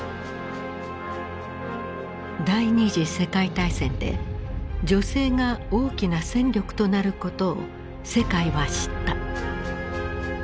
第二次世界大戦で女性が大きな戦力となることを世界は知った。